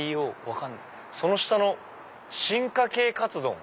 その下「進化系カツ丼」。